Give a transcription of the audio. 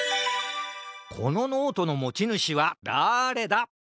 このノートのもちぬしはだれだ？